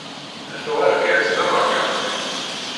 Tuɣ argaz d ameṛkanti.